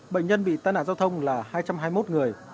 bệnh nhân bị tai nạn giao thông là hai trăm hai mươi một người